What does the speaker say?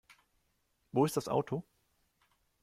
Wo ist das Auto?